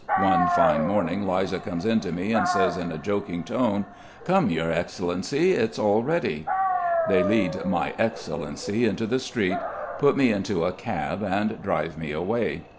One fine morning Liza comes in to me and says in a joking tone: "Come, Your Excellency. It's all ready." They lead My Excellency into the street, put me into a cab and drive me away.